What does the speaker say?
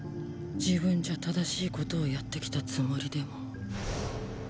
自分じゃ正しいことをやってきたつもりでも。